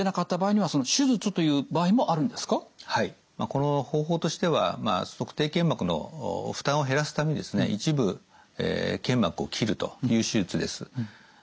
この方法としては足底腱膜の負担を減らすためにですね一部腱膜を切るという手術です。